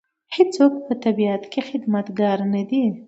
هېڅوک په طبیعت کې خدمتګار نه دی.